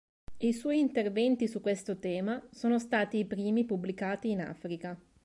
I suoi interventi su questo tema sono stati i primi pubblicati in Africa.